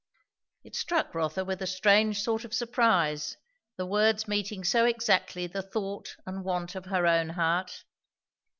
It struck Rotha with a strange sort of surprise, the words meeting so exactly the thought and want of her own heart.